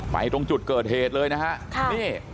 ไปตรงจุดเกิดเหตุเลยนะครับ